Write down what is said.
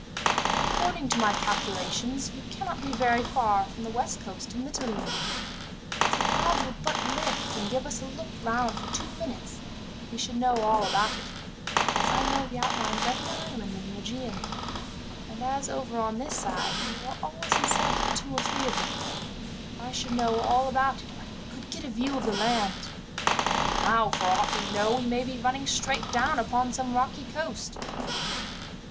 "According to my calculation, we cannot be very far from the west coast of Mitylene. If the clouds would but lift, and give us a look round for two minutes, we should know all about it, as I know the outline of every island in the Aegean; and as over on this side you are always in sight of two or three of them, I should know all about it if I could get a view of the land. Now, for aught we know, we may be running straight down upon some rocky coast."